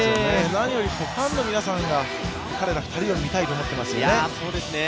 なによりファンの皆さんが彼ら２人を見たいと思ってますからね。